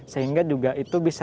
sehingga juga itu bisa